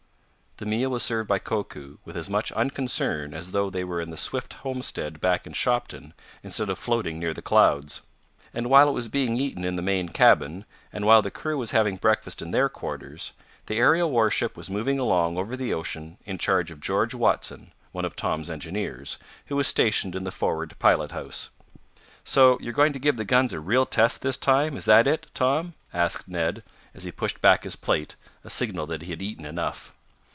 The meal was served by Koku with as much unconcern as though they were in the Swift homestead back in Shopton, instead of floating near the clouds. And while it was being eaten in the main cabin, and while the crew was having breakfast in their quarters, the aerial warship was moving along over the ocean in charge of George Watson, one of Tom's engineers, who was stationed in the forward pilot house. "So you're going to give the guns a real test this time, is that it, Tom?" asked Ned, as he pushed back his plate, a signal that he had eaten enough.